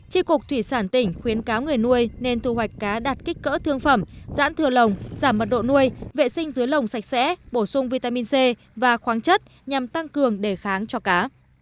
trị cục thủy sản tỉnh khuyến cáo người nuôi nên thu hoạch cá đạt kích cỡ thương phẩm giãn thừa lồng giảm mật độ nuôi vệ sinh dưới lồng sạch sẽ bổ sung vitamin c và khoáng chất nhằm tăng cường đề kháng cho cá